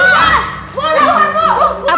bapak iya saya sudah